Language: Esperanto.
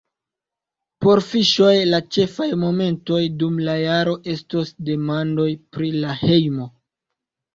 Por Fiŝoj la ĉefaj momentoj dum la jaro estos demandoj pri la hejmo.